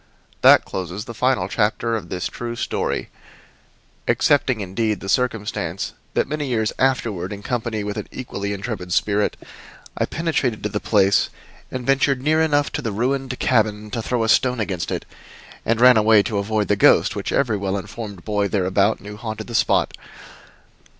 That closes the final chapter of this true story excepting, indeed, the circumstance that many years afterward, in company with an equally intrepid spirit, I penetrated to the place and ventured near enough to the ruined cabin to throw a stone against it, and ran away to avoid the ghost which every well informed boy thereabout knew haunted the spot.